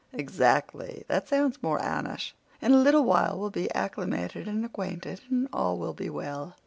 "Exactly. That sounds more Anneish. In a little while we'll be acclimated and acquainted, and all will be well.